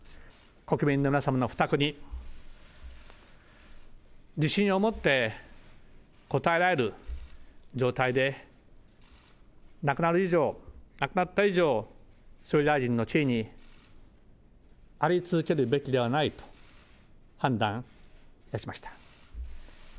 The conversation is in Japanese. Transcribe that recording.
国民の皆様の負託に自信を持って応えられる状態でなくなった以上、総理大臣の地位にあり続けるべきではないと判断いたしました。